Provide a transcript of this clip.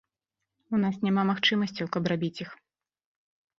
У нас няма магчымасцяў, каб рабіць іх.